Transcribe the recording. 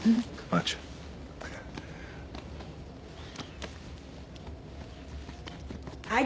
ああ。